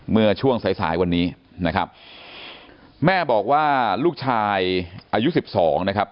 เมื่อช่วงสายสายวันนี้นะครับแม่บอกว่าลูกชายอายุสิบสองนะครับ